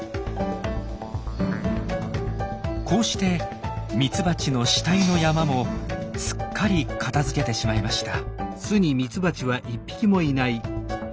こうしてミツバチの死体の山もすっかり片づけてしまいました。